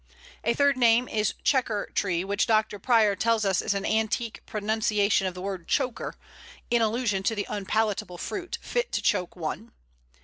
A third name is Chequer tree, which Dr. Prior tells us is an antique pronunciation of the word choker, in allusion to the unpalatable fruit, fit to choke one.